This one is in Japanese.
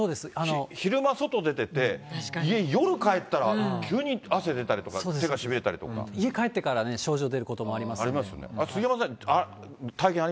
昼間外出てて、家、夜帰ったら、急に汗出たりとか、家帰ってからね、症状出るこありますね、杉山さん、体験